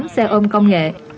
tám xe ôm công nghệ